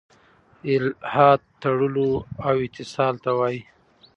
الحاد تړلو او اتصال ته وايي.